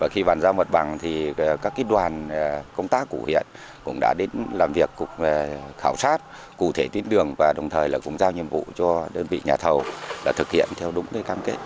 khi bàn giao mặt bằng thì các đoàn công tác của huyện cũng đã đến làm việc cục khảo sát cụ thể tuyến đường và đồng thời cũng giao nhiệm vụ cho đơn vị nhà thầu thực hiện theo đúng cam kết